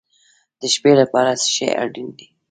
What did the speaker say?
د شپې لپاره څه شی اړین دی؟